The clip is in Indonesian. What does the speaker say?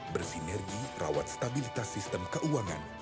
bersinergi rawat stabilitas sistem keuangan